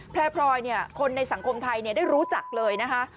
แพร่พลอยเนี่ยคนในสังคมไทยเนี่ยได้รู้จักเลยนะคะ